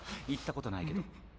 行ったことないけど。